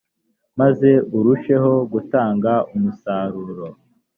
maze arusheho gutanga umusaruro